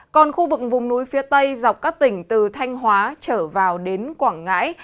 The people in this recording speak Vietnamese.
còn khu vực vùng núi phía tây dọc các tỉnh từ thanh hóa trở vào đến quảng ngãi